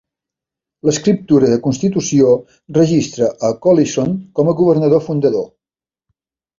L'escriptura de constitució registra a Collinson com a governador fundador.